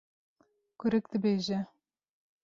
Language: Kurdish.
Kurik dibêje: